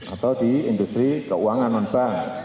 atau di industri keuangan menbang